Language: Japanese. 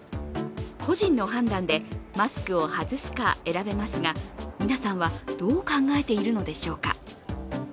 個人の判断でマスクを外すか選べますが皆さんは、どう考えているのでしょうか。